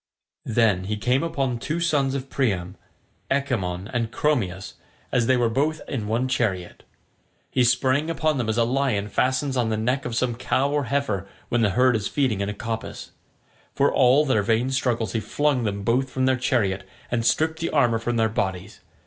Then he came upon two sons of Priam, Echemmon and Chromius, as they were both in one chariot. He sprang upon them as a lion fastens on the neck of some cow or heifer when the herd is feeding in a coppice. For all their vain struggles he flung them both from their chariot and stripped the armour from their bodies.